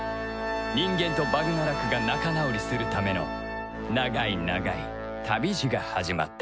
人間とバグナラクが仲直りするための長い長い旅路が始まった